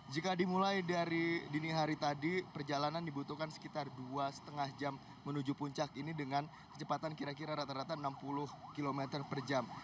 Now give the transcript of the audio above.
jika dimulai dari dini hari tadi perjalanan dibutuhkan sekitar dua lima jam menuju puncak ini dengan kecepatan kira kira rata rata enam puluh km per jam